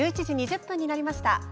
１１時２０分になりました。